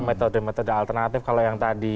metode metode alternatif kalau yang tadi